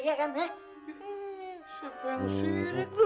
siapa yang sirik lo dah